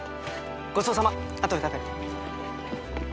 ごちそうさま後で食べる。